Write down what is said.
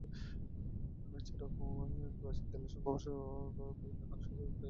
এছাড়াও, এখানে প্রাচীন দেয়ালের ধ্বংসাবশেষ, বিভিন্ন নকশা অঙ্কিত ব্যবহার্য এবং পোড়া মাটির ফলক আবিষ্কৃত হয়েছে।